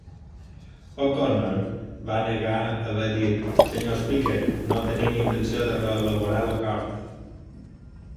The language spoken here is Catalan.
O'Connor va negar haver dit "Sr. Speaker, no tenim intenció de reelaborar l'acord".